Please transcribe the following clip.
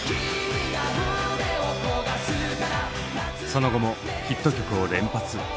その後もヒット曲を連発。